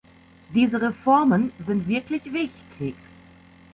Diese Reformen sind wirklich wichtig.